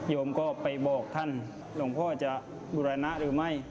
โยมก็ไปบอกท่านหลวงพ่อจะบุรณะหรือไม่